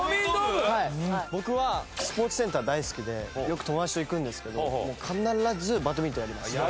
僕はスポーツセンター大好きでよく友達と行くんですけどもう必ずバドミントンやります。